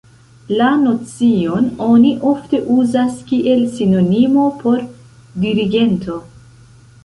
La nocion oni ofte uzas kiel sinonimo por dirigento.